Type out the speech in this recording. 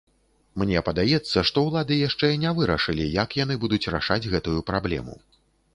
Мне падаецца, што ўлады яшчэ не вырашылі, як яны будуць рашаць гэтую праблему.